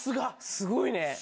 すごいね。